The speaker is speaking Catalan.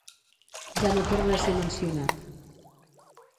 Ja no torna a ser mencionat.